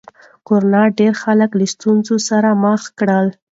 کرونا ډېر خلک له ستونزو سره مخ کړل.